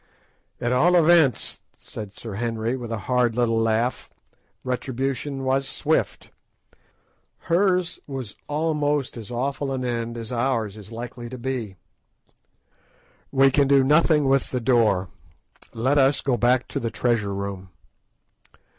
"At all events," said Sir Henry, with a hard little laugh, "retribution was swift; hers was almost as awful an end as ours is likely to be. We can do nothing with the door; let us go back to the treasure room."